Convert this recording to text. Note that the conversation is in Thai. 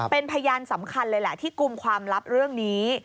เป็นพยานสำคัญเลยแหละที่กลุ่มความลับเรื่องนี้